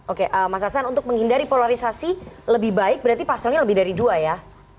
oke mas hasan untuk menghindari polarisasi lebih baik berarti paslonnya lebih dari dua ya